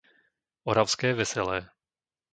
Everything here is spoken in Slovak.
Oravské Veselé